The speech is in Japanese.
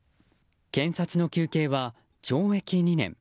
検察の求刑は懲役２年。